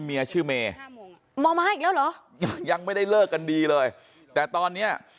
เมียชื่อเมย์ม้าอีกแล้วเหรอยังไม่ได้เลิกกันดีเลยแต่ตอนเนี้ย